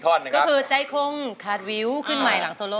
ก็คือใจคงขาดวิวขึ้นใหม่หลังโซโล